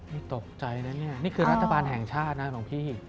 นี่ตกใจนะเนี่ยนี่คือรัฐบาลแห่งชาตินะหลวงพี่